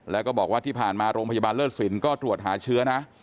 แล้วก็บอกว่าที่ผ่านมาโรงพยาบาลเลิศสินก็ตรวจหาเชื้อนะ